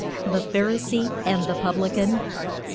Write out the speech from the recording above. THE PHARISEE AND THE PUBLICAN.